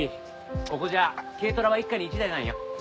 ここじゃ軽トラは一家に一台なんよ。